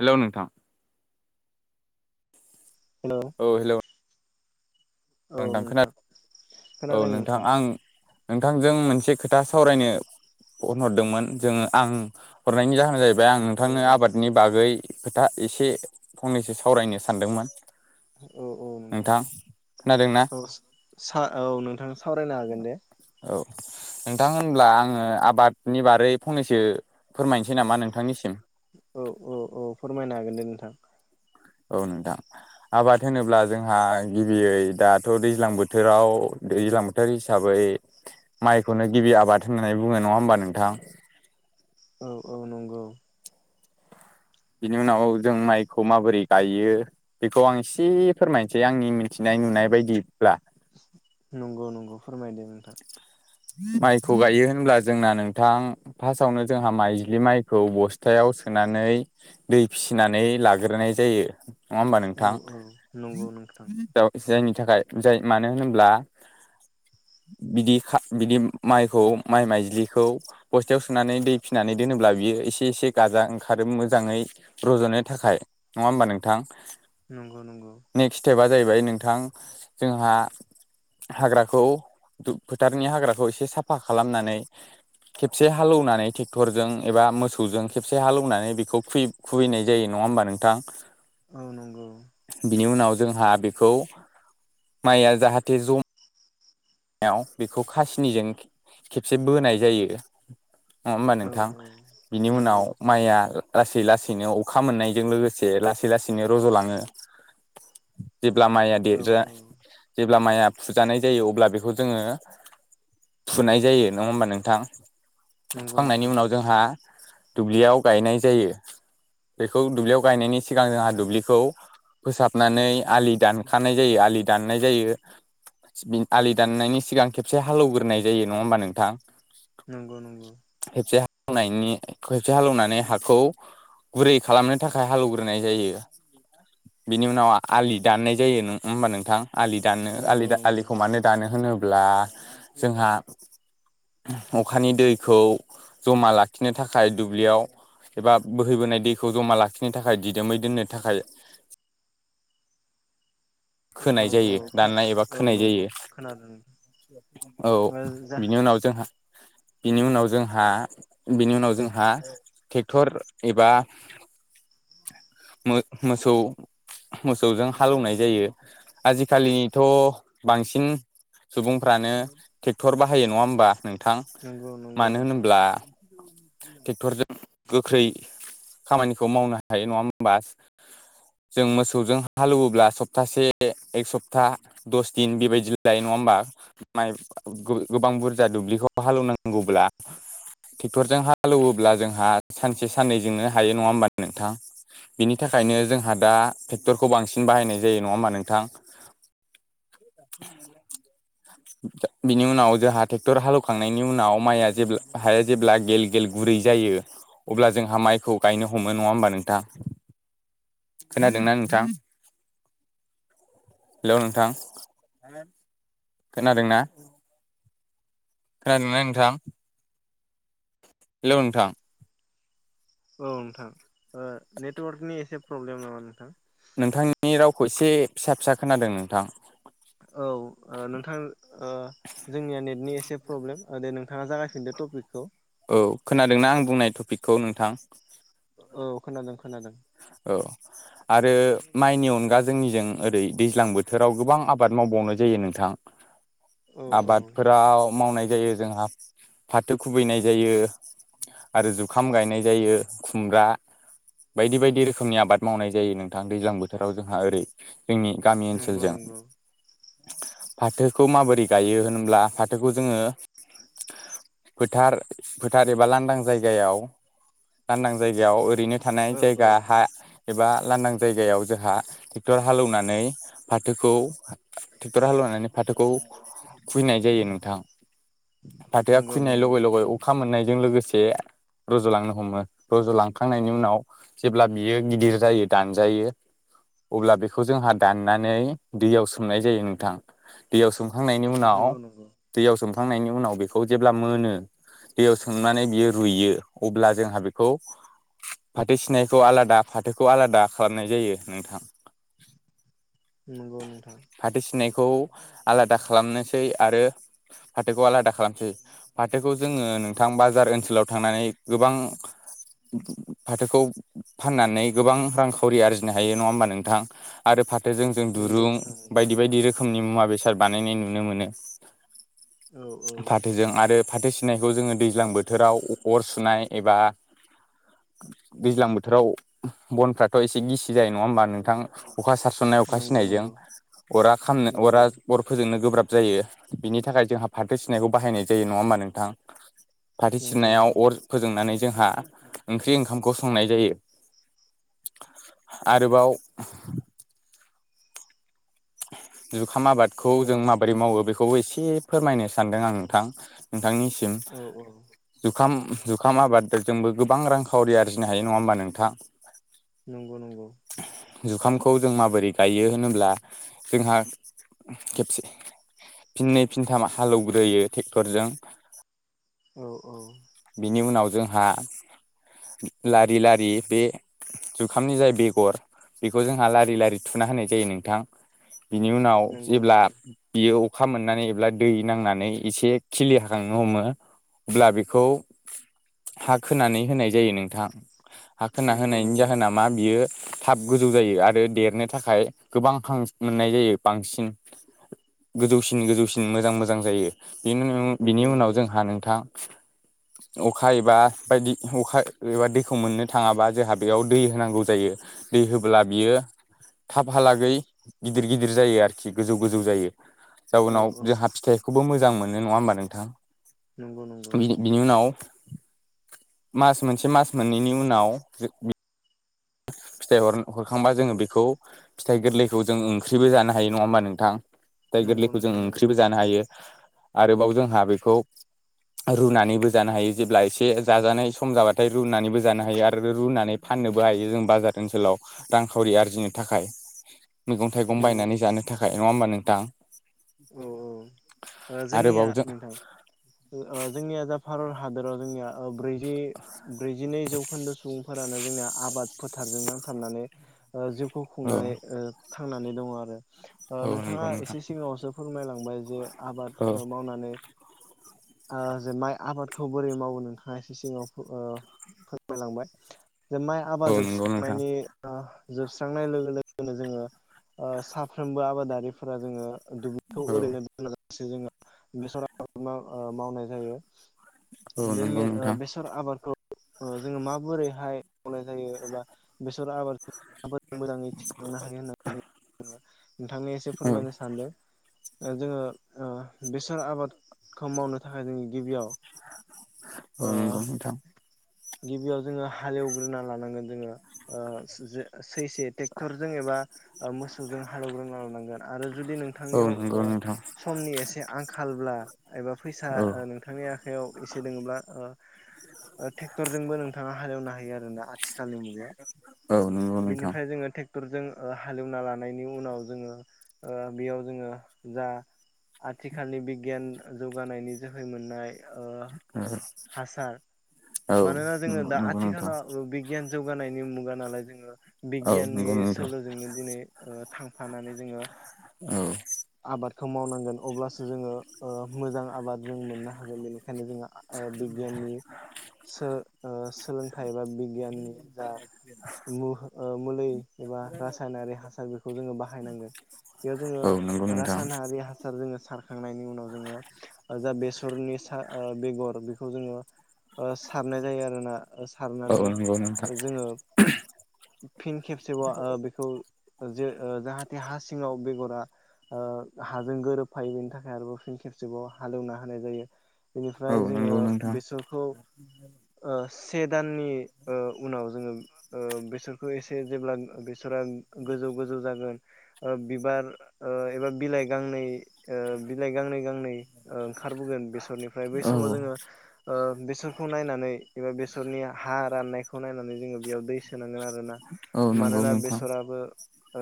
Hello नोंथां। Hello औ hello. औ ओनथां खोना औ नोंथां आं नोंथांजों मोनसे खोथा सावरायनो फनहरदोंमोन जोङो आं हरनायनि जाहोना जाहैब बे आं औ नोंथांनो आबादनि बागै खोथा एसे फंनैसो सावरायनो सानदोंमोन। औ औ नोंथां। खोनादोंना औ सो सा औ नोंथां सावरायनो हागोन दे। औ नोंथां होनब्ला आङो आबादनि बारै फंनैसो फोरमायनसै नामा नोंथांनिसिम औ औ औ फोरमायनो हागोन दे नोंथां औ नोंथां आबाद होनोब्ला जोंहा गिबियै दाथ' दैज्लां बोथोराव दैज्लां बोथोर हिसाबै माइखौनो गिबि आबाद होननानै बुङो नङा होमबा नोंथां [inaudible] औ औ नंगौ। बिनि उनाव जों माइखौ माबोरै गायो बेखौ आं एसे फोरमायनसै आंनि मिथिनाय नुनाय बायदिब्ला। नंगौ नंगौ फोरमायदो नोंथां। माइखौ गायो होनब्ला जोंना नोंथां फार्स्टआवनो जोंहा माइज्लि माइखौ बस्थाया याव सोनानै दै फिसिनानै लाग्रोनाय जायो। नङा होमबा औ नोंथां औ नंगौ नोंथां बेयाव जों थाखाय जाय मानो होनोब्ला बिदि खा बिदि माइखौ माइ माइज्लिखौ बस्थायाव सोनानै दै फिनानै दोनोब्ला बियो एसे एसे गाजा ओंखारो मोजाङै रज'नो थाखाय नङा होमबा नोंथां? नंगौ नंगौ। नेक्स्ट स्टेपा जाहैबाय नोंथां जोंहा हाग्राखौ दु फोथारनि हाग्राखौ एसे साफा खालामनानै खेबसे हालौनानै टेक्टरजों एबा मोसौजों खेबसे हालौनानै बेखौ फ्रि खुबैनाय जायो नं नङा होमबा नोंथां? औ नंगौ। बिनि उनाव जोंहा बेखौ माइया जाहाथे जम याव बेखौ खासिनिजों खेबसे बोनाय जायो। नङा होमबा औ नोंथां औ बिनि उनाव नंगौ माइया लासै लासैनो अखा मोननायजों लोगोसे लासै लासैनो रज'लाङो। जेब्ला माइया औ देरा औ जेब्ला माइया फुजानाय जायो अब्ला बेख बेखौ जोङो फुनाय जायो। नङा होमबा नोंथां? नंगौ फुखांनायनि नोंथां उनाव जोंहा दुब्लियाव गायनाय जायो। बेखौ दुब्लियाव गायनायनि सिगां जोंहा दुब्लिखौ फोसाबनानै आलि दानखानाय जायो आलि दाननाय जायो बि आलि दाननायनि सिगां खेबसे हालौग्रोनाय जायो नङा होमबा नोंथां। नंगौ नंगौ। नायनि खेबसे हालौनानै हाखौ गुरै खालामनो थाखाय हालौवग्रोनाय जायो। बिनि उनाव आलि दाननाय जायो नङा होमबा नोंथां। आलि दाननो नंगौ आलि दा नंगौ आलिखौ मानो मानो होनोब्ला जोंहा अखानि दैखौ जमा लाखिनो थाखाय दुब्लियाव एबा बोहैबोनाय दैखौ जमा लाखिनो थाखाय दिदोमै दोननो थाखाय औ खोनाय औ जायो फा दाननाय एबा औ खोनाय नंगौ जायो। खोनादों औ जा बिनि उनाव जोंहा बिनि उनाव जोंहा बिनि उनाव जोंहा टेक्थर एबा मो-मोसौ मोसौजों हालौवनाय जायो। आजिखालिथ' बांसिन सुबुंफ्रानो टेक्थर बाहायो नङा होमबा नोंथां। नंगौ नंगौ मानो नोंथां होनोब्ला टेक्थरजों गोख्रै खामानिखौ मावनो हायो नङा होमबा। जों मोसौजों हालौवोब्ला सप्तासे एक सप्ता दस दिन बेबायदि जायो नङा होमबा माइ गो-गोबां बुरजा दुब्लिखौ हालौवनांगौब्ला टेक्थरजों हालौवोब्ला जोंहा सानसे साननैजोंनो हायो नङा होमबा नोंथां। बिनि थाखायनो जोंहा दा टेक्टरखौ बांसिन बाहायनाय जायो नङा होमबा नोंथां। बिनि उनाव जोंहा टेक्थर हालौवखांनायनि उनाव माइया जेब्ला हाय जेब्ला गेल गेल गुरै जायो अब्ला जोंहा माइखौ गायनो हमो नङा होमबा नोंथां। खोनादों ना नोंथां? हेलौ नोंथां। खोनादों ना? खोनादों ना नोंथां? हेलौ नोंथां। औ नोंथां ओ नेटवार्कनि एसे प्रब्लेम नामा नोंथां। नोंथांनि रावखौ एसे फिसा फिसा खोनादों नोंथां। औ ओ नोंथां ओ जोंनिया नेटनि एसे प्रब्लेम ओ दे नोंथाङा जागाय फिनदो टपिकखौ। औ खोनादों ना आं बुंनाय टपिकखौ नोंथां औ खोनादों। खोनादों औ आ रो माइनि अनगा जोंनिजों ओरै दैज्लां बोथोराव गोबां आबाद मावबावनाय जायो नोंथां। औ औ आबादफोराव मावनाय जायो जोंहा फाथो खुबैनाय जायो। आरो जुखाम गायनाय जायो खुमब्रा बायदि बायदि रोखोमनि आबाद मावनाय जायो नोंथां दैज्लां बोथोराव जोंहा ओरै। जोंनि गामि नंगौ ओनसोलजों नंगौ फाथोखौ माबोरै गायो होनब्ला फाथोखौ जोङो फोथार फोथार एबा लांदां जायगायाव लांदां जायगायाव ओरैनो थानाय औ औ जायगा हा एबा लांदां जायगायाव जोंहा ट्रेक्टर हालेवनानै फाथोखौ थेकथर हालौनानै फाथोखौ खुबैनाय जायो नोंथां। फाथोआ नंगौ खुबैनाय नंगौ लगै लगै अखा मोननायजों लोगो से रज'लांनो हमो। रज'लांखांनायनि उनाव जेब्ला बियो गिदिर जायो दानजायो अब्ला बेखौ जोंहा दाननानै दैयाव सोमनाय जायो नोंथां। दैयाव दुंखांनायनि उनाव नंगौ नंगौ दैयाव सोमखांनायनि उनाव बेखौ जेब्ला मोनो। दैयाव सोंनानै बियो रुयो अब्ला जोंहा बेखौ। फाथो सिनायखौ आलादा फाथोखौ आलादा खालामनाय जायो नोंथां। नंगौ नोंथां। खौ आलादा खालामनोसै आरो फाथोखौ आलादा खालामसै। फाथोखौ जोङो नोंथां बाजार ओनसोलाव थांनानै गोबां। फाथोखौ फाननानै गोबां रांखावरि आरजिनो हायो नङा होमबा नोंथां। आरो फाथोजों जों नंगौ दुरुं नोंथां नंगौ बायदि बायदि रोखोमनि मुवा बेसाद बानायनाय नुनो मोनो। औ औ फाथोजों आरो। फाथो सिनायखौ जोङो दैज्लां बोथोराव अ अर सुनाय एबा। दैज्लां बोथोराव बनफ्राथ' एसे गिसि जायो नङा होमबा नोंथां। अखा सारसननाय अखा नंगौ सिनायजों नंगौ अरा खामनो अरा नंगौ अर फोजोंनो गोब्राब। जायो बिनि थाखाय जोंहा फाथो सिनायखौ बाहायनाय जायो नङा होमबा नोंथां। फाथो नंगौ सिननायाव नोंथां अर फोजोंनानै जोंहा। ओंख्रि ओंखामखौ संनाय जायो आरोबाव। जुखाम आबादखौ ओ जों माबोरै मावो बेखौबो एसे फोरमायनो सानदों आं नोंथां नों। थांसिम औ औ जुखाम। जुखाम आबादजोंबो गोबां रांखावरि आरजिनो हायो नङा होमबा नोंथां। नंगौ नंगौ जुखामखौ जों माबोरै गायो होनोब्ला जोंहा खेबसे फिनै फिनथाम हालौवग्रोयो थेक्थरजों औ- औ। उनाव जोंहा लारि लारि बे जुखामनि जाय बेगर बेखौ जोंहा लारि लारि थुना होनाय जायो नोंथां। बिनि उनाव नंगौ जेब्ला नंगौ बियो अखा मोननानै एब्ला दै नांनानै एसे खिलि हाखांनो हमो अब्ला बेखौ हा खोनानै होनाय जायो नोंथां हा खोना नंगौ होनायनि जाहोना मा बियो थाब गोजौ जायो आरो देरनो थाखाय गोबां। खां मोननाय जायो बांसिन गोजौसिन गोजौसिन मोजां मोजां जायो बिनि उनाव बिनि नंगौ नंगौ उनाव जोंहा नोंथां। अखा एबा बायदि अखा एबा दैखौ मोननो थाङाबा जोंहा बेयाव दै होनांगौ जायो। दै होब्ला बियो थाबहालागै गिदिर गिदिर जायो आरोखि गोजौ गोजौ जायो औ जाउनाव औ जोंहा फिथाइखौबो मोज जां मोनो नङा होमबा नोंथां नंगौ नंगौ बिनि बिनि उनाव मास मोनसे मास मोननैनि उनाव जे बे फिथाइ हर हरखांबा औ जोङो बेखौ फिथाइ गोरलैखौ जों ओंख्रिबो जानो हायो नङा होमबा नोंथां। [unintelligible] नंगौ गोरलैखौ जों नोंथां नंगौ ओंख्रिबो जानो हायो आरोबाव जोंहा बेखौ रुनानैबो जानो हायो जेब्ला एसे जाजानाय सम जाबाथाय रुनानैबो जानो हायो आरो रो रुनानै फाननो बो हायो जों बाजार ओनसोलाव रांखावरि आरजिनो थाखाय। मैगं- थाइगं नंगौ बायनानै नोंथां जानो थाखाय नङा होमबा नोंथां। औ औ ओ जोंनिया आरोबाव जों नोंथां ओ आ जोंनिया जा भारत हादराव जोंनिया ओ ब्रै जि ब्रैजिनै जौखोन्दो सुबुंफोरानो जोंनिया आबाद फोथारजों नांथाबनानै जिउखौ औ खुंनानै थांनानै दङ आरो। औ नंगौ नोंथाङा नोंथां एसे सिगाङावसो फोरमायलांबाय जे आबाद औ मावनानै। ओ जे माइ आबादखौ बोरै मावो नोंथाङा एसे सिगाङाव फोरमायलांबाय। जे माइ औ आबाद नंगौ नोंथां जोबसरांनायनि। जोबस्रांनाय लोगो लोगोनो जोङो साफ्रोमबो आबादारिफोरा जोङो। दुब्लिखौ औ ओरैनो दोनालासे जोङो बेसर आबाद मावनाय जायो। औ बे नंगौ नोंथां बेसर आबादखौ जोङो माबोरैहाय मावनाय जायो एबा बेसर आबाद आबाद मोजांङै थिखांनो हायो होननानै नोंथांनो एसे औ फोरमायनो सानदों जोंङो बेसाद आबादखौ मावनो थाखाय जोंङो गिबियाव औ नोंगौ नोंथां गिबियाव जोंङो हालेवग्रोना लानांगोन जोंङो ओह जे सैसे ट्रेक्टरजों एबा मोसौजों हालेवग्रोनो लानांगोन आरो जुदि औ नोंथांनियाव नंगौ ओह नोंथां समनि एसे आंखालब्ला एबा फैसा औ नोंथांनिया आखाइयाव एसे दोङोब्ला ट्रेक्टर जोंबो नोंथाङा हालेवनो हायो आरोना आथिखालाव आथिखालनि मुगायाव औ नोंगौ नोंथां टेक्टरजों हालेवना लानायनि उनाव जोंङो ओह बेयाव जोंङो जा आथिखालनि बिगियान जौगानायनि जोहै मोननाय ओह हासार औ मानोना जोंङो दा नंगौ नोंथां आथिखालाव बिगियान जौगानायनि मुगा नालाय जों औ बिगियाननि नंगौ नोंथां सोलोजोंनो दिनै थांफानानै जोंङो औ आबादखौ मावनांगोन अब्लासो जोंङो मोजां आबाद जों मोननो हागोन बेनिखायनो बेखायनो जोंङो बिगियाननि सो ओह सोलोंथाइ एबा बिगियाननि जा मु ओह मुलै एबा रासायनारि हासार बेखौ जोंङो बाहायनांगोन बेयाव जोंङो औ नंगौ नोंथां रासायनारि हासार जोंङो सार सारखांनायनि उनाव जोंङो जा बेसरनि सा बेगर बेखौ जोंङो सारनाय जायो आरोना औ सारनानै नंगौ नोंथां जोंङो फिन खेबसेबाव बेखौ जे जाहाथे हा सिंङाव बेगरा हाजों गोरोबफायो बेनि थाखाय आरोबाव फिन खेबसेबाव हालेवना होनाय जायो औ बेनिफ्राय जोंङो नंगौ नोंथां बेसरखौ ओह से दाननि उनाव जोंङो बेसोरखौ एसे जेब्ला बेसरा गोजौ गोजौ जागोन बिबार एबा बिलाइ गांनै बिलाइ गांनै गांनै ओंखारबोगोन बेसरनिफ्राय बै समाव औ जोंङो बेसरखौ नायनानै एबा बेसरनि हा राननायखौ नायनानै जोंङो बेयाव दै सोनांगोन आरोना औ नंगौ मानोना नोंथां बेसराबो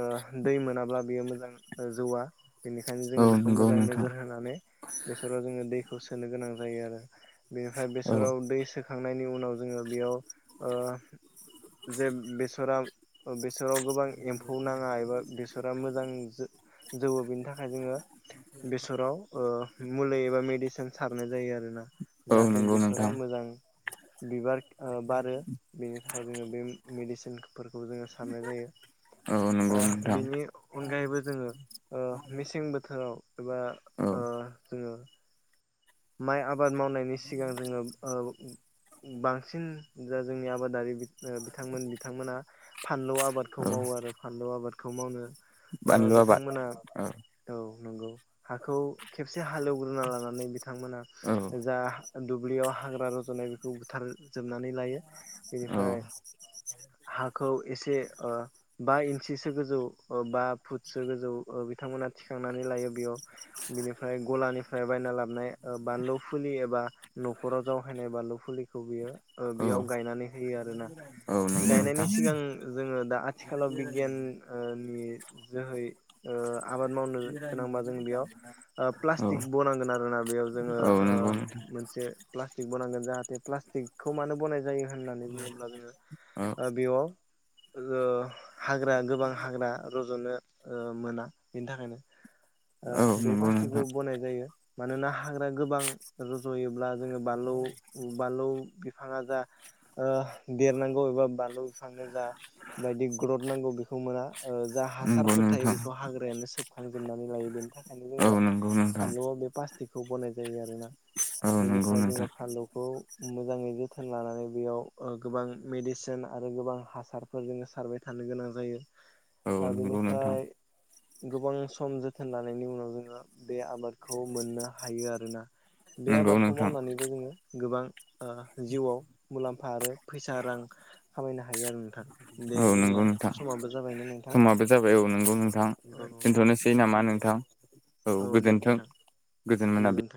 ओ दै मोनाब्ला बियो मोजां जौवा बेनिखायनो औ जोंङो बेखौ नंगौ मोजां नोंथां नोजोर होनानै बेसराव जोंङो दैखौ सोनो गोनां जायो आरो बेनिफ्राय औ बेसराव दै सोखांनायनि उनाव जोंङो बेयाव जे बेसरा बेसराव गोबां एम्फौ नाङा एबा बेसरा मोजां जौवो बेनि थाखाय जोंङो बेसराव मुलि एबा मेडिसिन सारनाय जायो आरोना औ जाहाथे नंगौ बेसरा नोंथां मोजां बिबार बारो बेनि थाखाय जोंङो बे मेडिसिन बेखौ जोंङो साननाय औ नंगौ जायो नोंथां बिनि अनगायैबो जोंङो मेसें बोथोराव एबा औ ओह जोंङो माइ आबाद मावनायनि सिगां जोंङो बांसिन जा जोंनि आबादारि बिथांमोन बिथांमोना फानलौ आबादखौ औ मावो आरो फानलौ आबादखौ मावनो ओ बानलु आबाद बिथांमोना औ नंगौ हाखौ खेबसे हालेवग्रोना लानानै बिथांमोना औ जा दुब्लियाव हाग्रा रजनाय बेखौ बुथारजोबनानै लायो औ बेनिफ्राय हा खौ एसे बा इन्सिसो गोजौ बा फुटसो गोजौ बिथांमोना थि खांनानै लायो बेयाव बिनिफ्राय गलानिफ्राय बायना लाबनाय बानलु फुलि एबा नखराव जावखायनाय बानलु फुलिखौ बियो ओ औ बेयाव गायनानै होयो आरोना। औ नंगौ गायनायनि नोंथां सिगां जोङो दा आथिखालाव बिगियान ओ नि जोहै ओ आबाद मावनो गोनांबा जों बेयाव ओ औ प्लास्टिक बनांगोन आरोना बेयाव जोङो औ ओ नंगौ नोंथां मोनसे प्लास्टिक बनांगोन जाहाथे प्लास्टिकखौ मानो बनाय जायो होननानै बुङोब्ला जोङो औ ओ बेयाव ओ हाग्रा गोबां हाग्रा रज'नो ओ मोना बेनि थाखायनो ओ औ बे नंगौ पास्टिकखौ नोंथां बनाय जायो मानोना हाग्रा गोबां रज'योब्ला जोङो बानलौ बानलौ बिफाङा जा ओ देरनांगौ एबा बानलु बिफांनो जा बायदि ग्रथ नांगौ बेखौ मोना ओ जा नंगौ हासारफोर थायो नोंथां बेखौ हाग्रायानो सोब खांजोबनानै लायो बेनि थाखायनो जोङो औ नंगौ नोंथां फानलुआव बे पास्टिकखौ बनाय जायो आरोना। औ नंगौ बेनिफ्राय जोङो नोंथां फानलुखौ मोजाङै जोथोन लानानै बेयाव ओ गोबां मेडिसिन आरो गोबां हासारफोर जोङो सारबाय था नो गोनां जायो औ ओ नंगौ नोंथां बेनिफ्राय गोबां सम जोथोन लानायनि उनाव जोङो बे आबादखौ मोननो हायो आरोना। बे नंगौ आबादखौ नोंथां मावनानैबो जोङो गोबां ओ जिउआव मुलाम फा आरो फैसा रां खामायनो हायो आरो नो थां दे औ जोंनिया नंगौ नोंथां समाबो जाबायमोन नोंथां। थां औ दोनथ'नोसै नामा दे नोंथां औ दे गोजोनथों नोंथां गोजोन गोजोनथों मोनाबिलि।